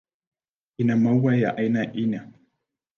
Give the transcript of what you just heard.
Ina maua ya aina aina.